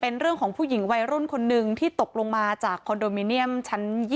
เป็นเรื่องของผู้หญิงวัยรุ่นคนหนึ่งที่ตกลงมาจากคอนโดมิเนียมชั้น๒